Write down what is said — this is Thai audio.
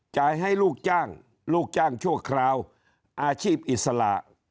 จ่ายให้ลูกจ้างลูกจ้างชั่วคราวอาชีพอิสระ